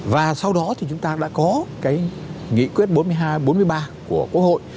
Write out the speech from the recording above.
và sau đó thì chúng ta đã có cái nghị quyết bốn mươi hai bốn mươi ba của quốc hội